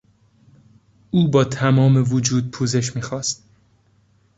او با تمام وجود پوزش میخواست.